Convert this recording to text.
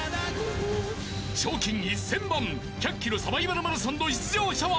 賞金１０００万１００ｋｍサバイバルマラソンの出場者は？